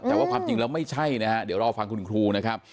แต่ว่าความจริงแล้วไม่ใช่นะฮะเดี๋ยวรอฟังคุณครูนะครับ